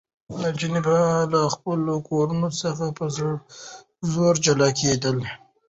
نجونې به له خپلو کورنیو څخه په زور جلا کېدې.